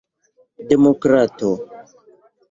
demokrato